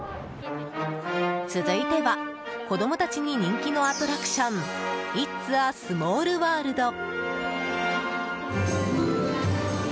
続いては子供たちに人気のアトラクションイッツ・ア・スモールワールド。